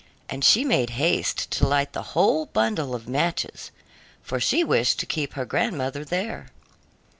And she made haste to light the whole bundle of matches, for she wished to keep her grandmother there.